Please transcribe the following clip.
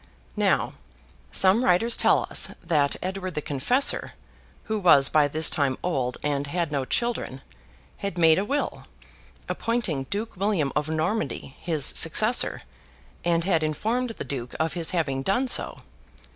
Now, some writers tell us that Edward the Confessor, who was by this time old and had no children, had made a will, appointing Duke William of Normandy his successor, and had informed the Duke of his having done so.